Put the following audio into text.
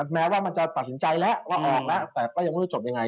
แม้ว่าจะตัดสินใจและแล้วของมันจะจบยังไง